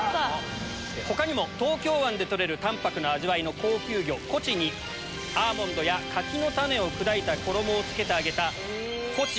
他にも東京湾で取れる淡泊な味わいの高級魚コチにアーモンドや柿の種を砕いた衣をつけて揚げた。